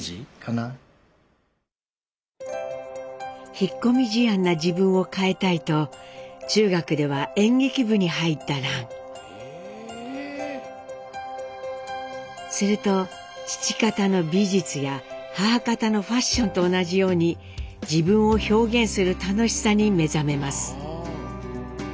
引っ込み思案な自分を変えたいとすると父方の美術や母方のファッションと同じように自分を表現する楽しさに目覚めます。